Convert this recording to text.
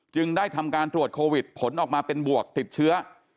ได้ทำการตรวจโควิดผลออกมาเป็นบวกติดเชื้อ